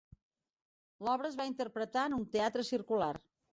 L'obra es va interpretar en un teatre circular.